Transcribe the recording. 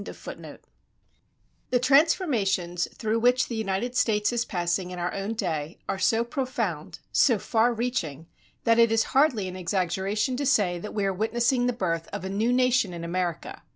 XII SOCIAL FORCES IN AMERICAN HISTORY[311:1] The transformations through which the United States is passing in our own day are so profound, so far reaching, that it is hardly an exaggeration to say that we are witnessing the birth of a new nation in America.